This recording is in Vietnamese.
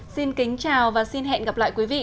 xin kính chào và xin hẹn gặp lại quý vị